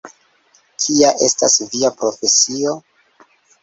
Kia estas via profesio?